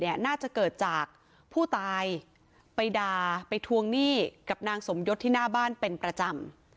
น่าจะเกิดจากผู้ตายไปด่าไปทวงหนี้กับนางสมยศที่หน้าบ้านเป็นประจำ